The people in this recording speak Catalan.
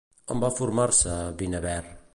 On va formar-se, Vinaver?